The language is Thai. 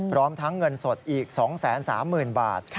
พร้อมทั้งเงินสดอีก๒๓๐๐๐บาท